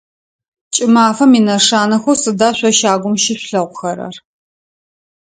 Кӏымафэм инэшанэхэу сыда шъо щагум щышъулъэгъухэрэр?